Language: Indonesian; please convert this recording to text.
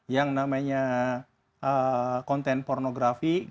yang namanya konten pornografi gitu ya